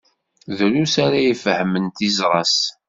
Drus ara ifehmen tiẓra-s.